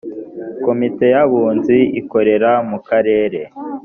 komite y abunzi ikorera mukarere